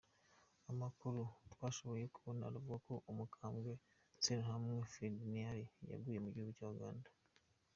Amakuru twashoboye kubona aravuga ko Umukambwe Senumuha Ferediriyani yaguye mu gihugu cya Uganda.